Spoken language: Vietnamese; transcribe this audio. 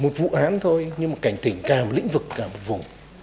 một vụ án thôi nhưng mà cảnh tỉnh cả một lĩnh vực cả một vùng